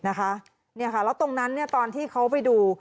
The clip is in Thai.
แล้วตรงนั้นตอนที่เขาไปดู